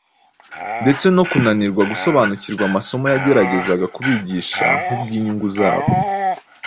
ndetse no kunanirwa gusobanukirwa amasomo yageragezaga kubigisha kubw’inyungu zabo,